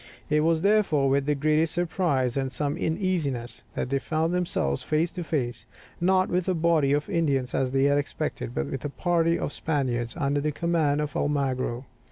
It was therefore with the greatest surprise, and some uneasiness, that they found themselves face to face, not with a body of Indians as they had expected, but with a party of Spaniards, under the command of Almagro.